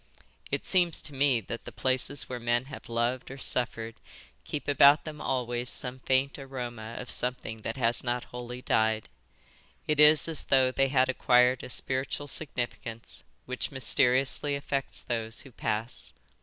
It seems to me that the places where men have loved or suffered keep about them always some faint aroma of something that has not wholly died. It is as though they had acquired a spiritual significance which mysteriously affects those who pass.